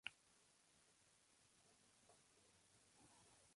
Los primeros números cuánticos pueden estar relacionados con los últimos.